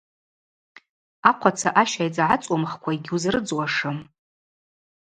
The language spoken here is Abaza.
Ахъваца ащайдза гӏацӏуымхкӏва йгьуызрыдзуашым.